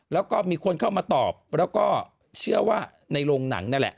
แล้วก็มีคนเข้ามาตอบแล้วก็เชื่อว่าในโรงหนังนั่นแหละ